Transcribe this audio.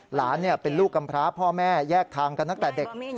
หลานเป็นลูกกำพร้าพ่อแม่แยกทางกันตั้งแต่เด็ก